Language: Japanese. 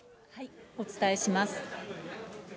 お伝えします。